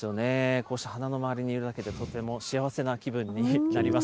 こうして花の周りにいるだけでとても幸せな気分になります。